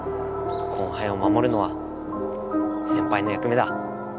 後輩をまもるのは先輩の役目だ。